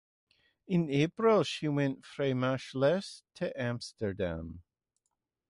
In April she went from Maassluis to Amsterdam.